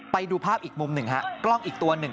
ไปดูภาพอีกมุมหนึ่งฮะกล้องอีกตัวหนึ่ง